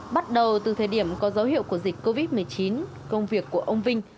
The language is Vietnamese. bắt đầu từ thời điểm có dấu hiệu của dịch covid một mươi chín công việc của ông vinh